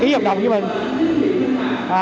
ý hợp đồng với mình